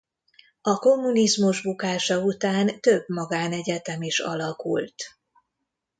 A kommunizmus bukása után több magánegyetem is alakult.